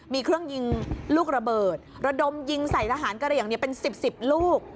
มีเครื่องยิงลูกระเบิดระดมยิงใส่ทหารกระเหลี่ยงเป็น๑๐๑๐ลูก